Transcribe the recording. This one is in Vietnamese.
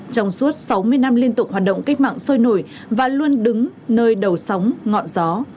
trong suốt sáu mươi năm liên tục hoạt động cách mạng sôi nổi và luôn đứng nơi đầu sóng ngọn gió